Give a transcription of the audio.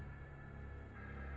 hehhh ya allah